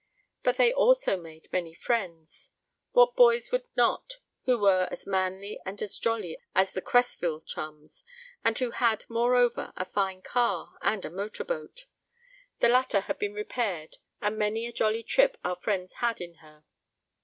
But they also made many friends. What boys would not who were as manly and as jolly as the Cresville chums, and who had, moreover, a fine car and a motor boat? The latter had been repaired and many a jolly trip our friends had in her.